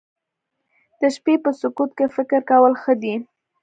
د شپې په سکوت کې فکر کول ښه دي